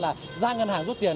là ra ngân hàng rút tiền